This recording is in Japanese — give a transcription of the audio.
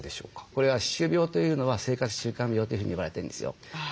これは歯周病というのは生活習慣病というふうに言われてるんですよ。